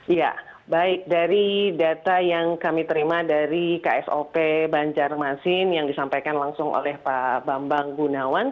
ya baik dari data yang kami terima dari ksop banjarmasin yang disampaikan langsung oleh pak bambang gunawan